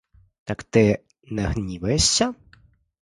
Так ти не гніваєшся?